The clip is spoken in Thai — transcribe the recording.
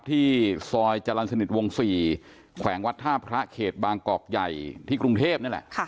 ที่ซอยจรรย์สนิทวง๔แขวงวัดท่าพระเขตบางกอกใหญ่ที่กรุงเทพนี่แหละ